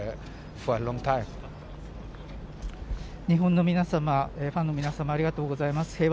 日本の皆様、ファンの皆様、ありがとうございます。